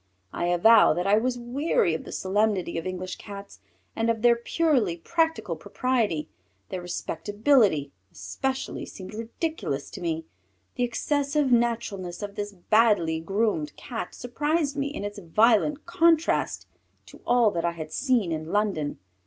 I avow that I was weary of the solemnity of English Cats, and of their purely practical propriety. Their respectability, especially, seemed ridiculous to me. The excessive naturalness of this badly groomed Cat surprised me in its violent contrast to all that I had seen in London.